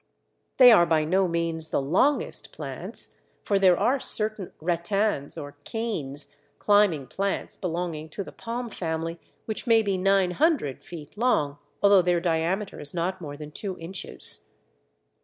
They are by no means the longest plants, for there are certain rattans or canes, climbing plants belonging to the Palm family, which may be 900 feet long, although their diameter is not more than two inches.